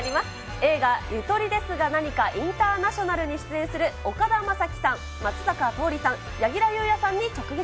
映画、ゆとりですがなにかインターナショナルに出演する岡田将生さん、松坂桃李さん、柳楽優弥さんに直撃。